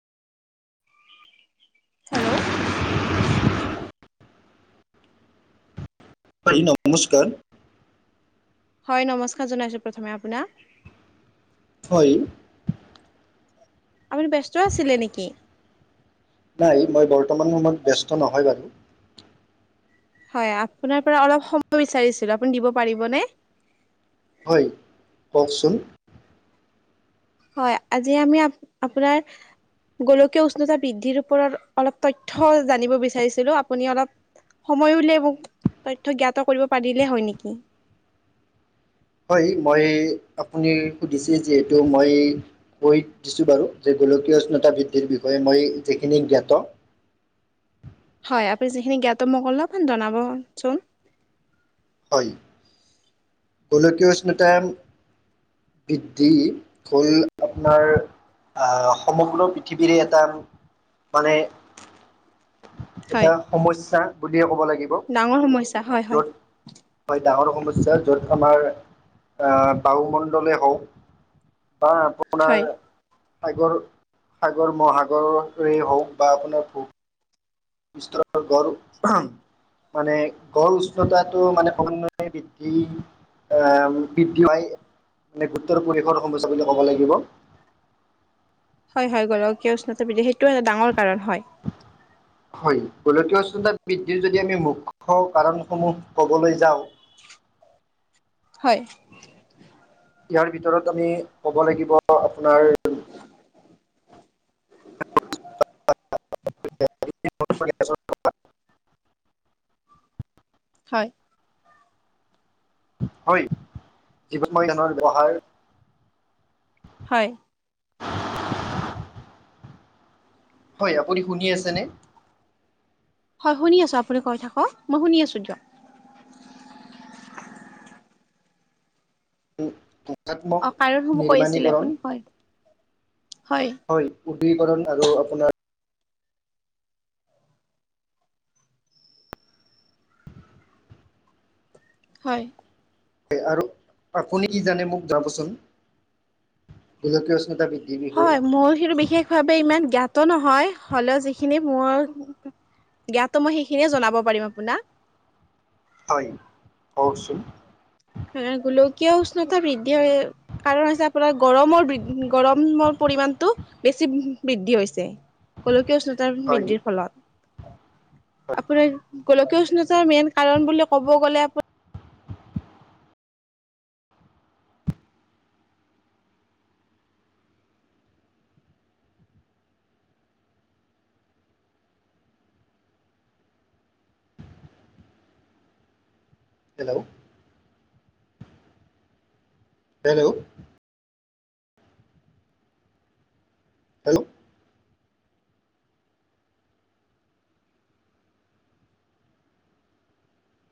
Hello. হয়, নমস্কাৰ। হয়, নমস্কাৰ জনাইছো প্ৰথমে আপোনাক। হয়। আপুনি ব্যস্ত আছিলে নেকি? নাই মই বৰ্তমান সময়ত ব্যস্ত নহয় বাৰু। হয়, আপোনাৰ পৰা অলপ সময় বিচাৰিছিলো আপুনি দিব পাৰিবনে? হয়, কওঁকচোন? হয়, আজি আমি আপোনাৰ- গোলকীয় উষ্ণতা বৃদ্ধিৰ ওপৰত অলপ তথ্য জানিব বিচাৰিছিলো আপুনি অলপ- সময় উলিয়াই মোক তথ্য জ্ঞাত কৰিব পাৰিলে হয় নেকি? হয়, মই আপুনি সুধিছে যিহেতু মই- কৈ দিছোঁ বাৰু যে গোলকীয় উষ্ণতা বৃদ্ধিৰ বিষয়ে মই যিখিনি জ্ঞাত। হয়, আপুনি যিখিনি জ্ঞাত মোক অলপমান জনাবচোন। হয়, গোলকীয় উষ্ণতাৰ- বৃদ্ধি হ'ল আপোনাৰ আহ সমগ্ৰ পৃথিৱীৰে এটা- মানে হয়। এটা সমস্যা বুলিয়ে ক'ব লাগিব। ডাঙৰ সমস্যা? হয় হয় যত- হয় ডাঙৰ সমস্যা য'ত আমাৰ বায়ুমণ্ডলেই হওঁক- অ- আপোনাৰ হয় সাগৰ সাগৰ মহাসাগৰেৰে হওঁক বা আপোনাৰ ভোক- বিস্তৰণ গড়- মানে গড় উষ্ণতাটো মানে প্ৰায়ে বৃদ্ধি- আহ বৃদ্ধি মানে গুৰুত্বৰ পৰিৱেশৰ সমস্যা বুলি ক'ব লাগিব। হয়, হয়, গোলকীয় উষ্ণতা বৃদ্ধি সেইটোৱেই এটা ডাঙৰ কাৰণ হয়। হয়। গোলকীয় উষ্ণতা বৃদ্ধিৰ যদি আমি মুখ্য কাৰণসমূহ কবলৈ যাওঁ- হয়। ইয়াৰ ভিতৰত আমি ক'ব লাগিব আপোনাৰ- ছ হয়। হয়, জীৱন মৈদানৰ ব্যৱহাৰ- হয়! হয়, আপুনি শুনি আছেনে? হয়, শুনি আছো আপুনি কৈ থাকক মই শুনি আছো দিয়ক। হঠাৎ ষাত্মক অ কাৰণসমূহ কৈ আছিলে নিৰ্মাণীকৰণ। আপুনি হয় হয়, উদিক ৰণ আৰু আপোনাৰ- হয়। হয়, আৰু আপুনি কি জানে মোক যাবচোন? গোলকীয় উষ্ণতা বৃদ্ধি হয়, মোৰ সেইটো বিশেষ ভাৱে ইমান জ্ঞাত নহয়, হ'লেও যিখিনি মোৰ- জ্ঞাত মই সেইখিনিয়ে জনাব পাৰিম আপোনাক। হয়, কওকচোন? আহ গোলকীয় উষ্ণতা বৃদ্ধি হয়- কাৰণ হৈছে আপোনাৰ গৰমৰ বৃদ্ধি গৰমৰ পৰিমাণটো- বেছি বৃদ্ধি হৈছে। গোলকীয় উষ্ণতা হয় বৃদ্ধিৰ ফলত [inaudible] আপোনাৰ গোলকীয় উষ্ণ [unintelligible] উষ্ণতাৰ মেইন কাৰণ বুলি ক'ব গ'লে আপো [unintelligible] হেল্ল'! [unintelligible] হেল্ল'! [unintelligible] হেল্ল'